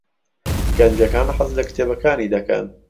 گەنجەکان حەز لە کتێبەکانی دەکەن.